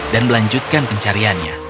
dan melanjutkan pencariannya